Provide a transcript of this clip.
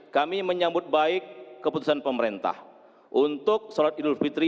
kami menyambut baik keputusan pemerintah untuk sholat idul fitri